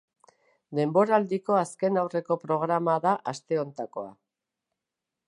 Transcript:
Denboraldiko azkenaurreko programa da aste honetakoa.